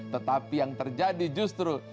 tetapi yang terjadi justru